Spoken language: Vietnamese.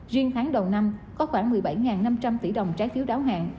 riêng tháng đầu năm có khoảng một mươi bảy năm trăm linh tỷ đồng trái phiếu đáo hạn